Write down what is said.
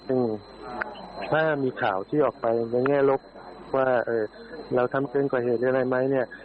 ซึ่งถ้ามีข่าวที่ออกไปในแง่ลบว่าเราทำเกินกว่าเหตุอะไรไหมเนี่ย